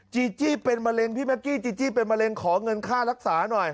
จีจี้เป็นมะเร็งพี่แก๊กกี้จีจี้เป็นมะเร็งขอเงินค่ารักษาหน่อย